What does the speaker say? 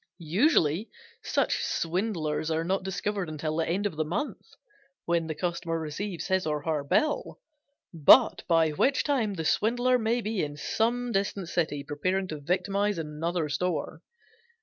Usually such swindlers are not discovered until the end of a month, when the customer receives his or her bill, but by which time the swindler may be in some distant city preparing to victimize another store.